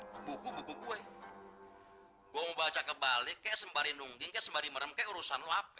hai hai hai buku buku gue gua mau baca kebalik ya sembari nungging sembari meramke urusan lapi